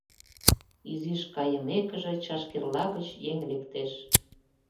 Изиш кайымекыже, чашкерла гыч еҥ лектеш.